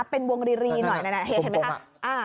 เป็นวงรีหน่อยเห็นไหมคะ